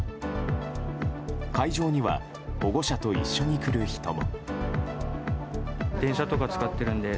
会場には保護者と一緒に来る人も。